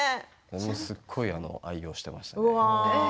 すごい愛用していましたね。